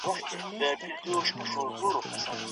غلا د ايمان د کمزورۍ نښه ده.